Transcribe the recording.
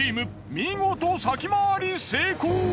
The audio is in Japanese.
見事先回り成功。